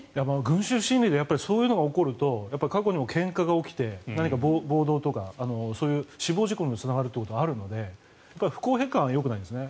群集心理でそういうのが起こると過去にもけんかが起きて暴動とか死亡事故にもつながることがあるので不公平感はよくないんですね。